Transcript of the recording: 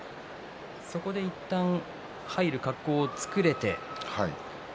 そこでいったん入る格好を作れて。